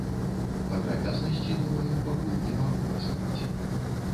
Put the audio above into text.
Падрабязнасці, думаю, пакуль не магу раскрыць.